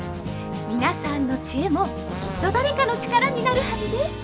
皆さんのチエもきっと誰かの力になるはずです！